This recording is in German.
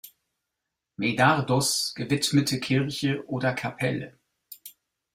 Medardus gewidmete Kirche oder Kapelle.